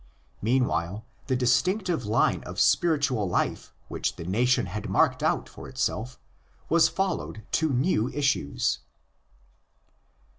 Meanwhile, the distinctive line of spiritual life which the nation had marked out for itself was followed to new issues.